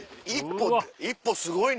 一歩すごいね。